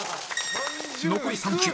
残り３球。